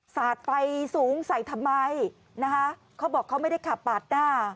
สาดไฟสูงใส่ทำไมนะคะเขาบอกเขาไม่ได้ขับปาดหน้า